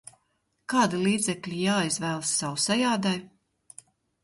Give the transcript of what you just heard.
Kādi līdzekļi jāizvēlas sausai ādai?